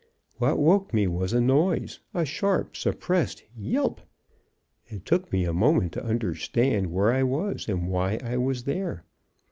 What woke me was a noise a sharp suppressed yelp. It took me a moment to understand where I was, and why I was there.